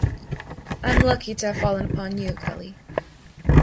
I'm lucky to have fallen upon you, Kelly.